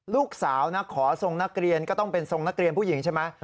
ลูกสาวนะขอทรงนักเรียนก็ต้องเป็นทรงนักเรียนผู้หญิงใช่ไหม